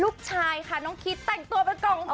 ลูกชายค่ะน้องคิดแต่งตัวเป็นกองขวัญค่ะ